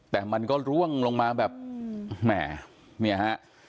แต่มันก็ร่วงลงมาแบบแหมเนี่ยฮะ